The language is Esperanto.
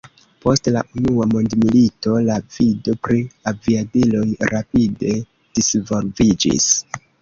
Post la unua mondmilito, la vido pri aviadiloj rapide disvolviĝis.